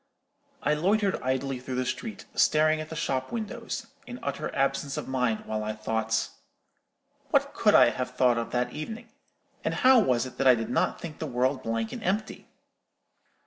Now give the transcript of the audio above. I loitered idly through the street, staring at the shop windows, in utter absence of mind while I thought— "What could I have thought of that evening? and how was it that I did not think the world blank and empty?